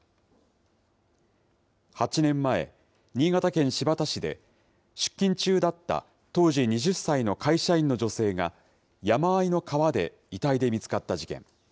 ８年前、新潟県新発田市で、出勤中だった当時２０歳の会社員の女性が、山あいの川で遺体で見つかった事件。